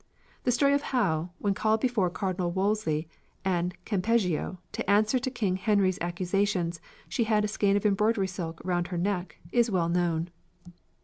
The story of how, when called before Cardinal Wolsey and Campeggio, to answer to King Henry's accusations, she had a skein of embroidery silk round her neck, is well known.